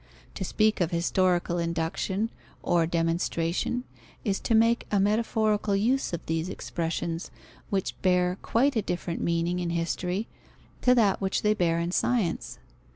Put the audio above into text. To speak of historical induction or demonstration, is to make a metaphorical use of these expressions, which bear quite a different meaning in history to that which they bear in science.